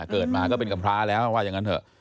เกิดมาก็เป็นกำพร้าแล้วว่าอย่างนั้นเถอะ